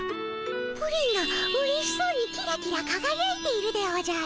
プリンがうれしそうにキラキラかがやいているでおじゃる。